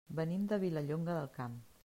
Venim de Vilallonga del Camp.